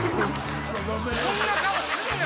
そんな顔すんな！